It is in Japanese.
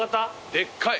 でっかい。